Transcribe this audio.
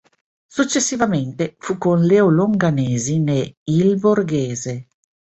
Successivamente fu con Leo Longanesi ne "Il Borghese".